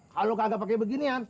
kalo kagak pake beginian